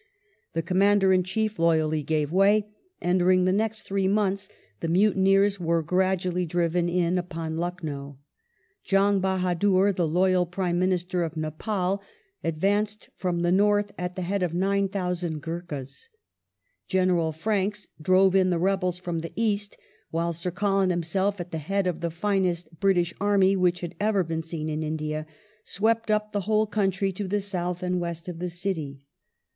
The Commander in Chief loyally gave way, and during the next three months the mutineei's were gradually driven in upon Lucknow. Jang Bahadur, the loyal Prime Minister of Nepal, advanced from the north at the head of 9,000 Ghurkas ; General Franks drove in the rebels from the east, while Sir Colin himself, at the head of the finest British army which had ever been seen in India, swept up the whole country to the south and west of the city.